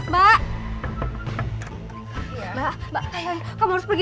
bapak ayo pergi keluar